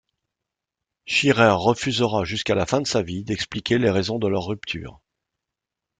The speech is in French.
Shirer refusera jusqu’à la fin de sa vie d’expliquer les raisons de leur rupture.